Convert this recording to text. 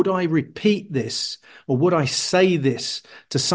atau apakah saya akan mengatakannya